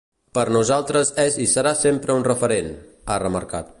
Per nosaltres és i serà sempre un referent, ha remarcat.